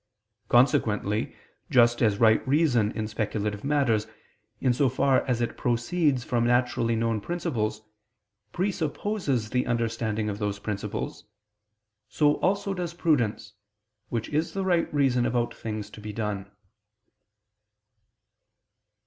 Consequently just as right reason in speculative matters, in so far as it proceeds from naturally known principles, presupposes the understanding of those principles, so also does prudence, which is the right reason about things to be done.